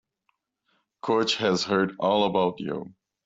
Coach has heard all about you.